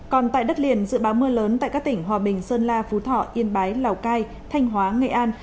còn tại đất liền dự báo mưa lớn tại các tỉnh hòa bình sơn la phú thọ yên bái lào cai thanh hóa nghệ an